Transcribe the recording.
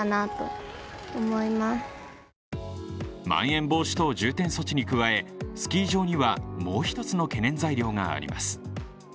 まん延防止等重点措置に加え、スキー場にはもう一つの懸念材料があります